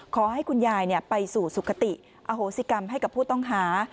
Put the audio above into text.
ขอให้คุณยายไปสู่สุขติอโหสิกรรมให้กับผู้ต้องหา